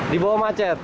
di bawah macet